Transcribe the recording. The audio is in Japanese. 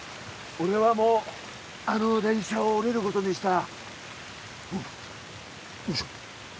俺はもうあの電車を降りることにしたほっよいしょ